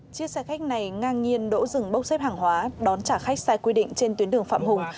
chiếc xe khách này ngang nhiên đỗ dừng bốc xếp hàng hóa đón trả khách sai quy định trên tuyến đường phạm hùng